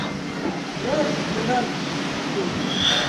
— Тор, ҡыҙым, —тим.